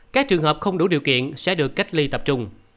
các trường hợp không đủ điều kiện sẽ được cách ly tập trung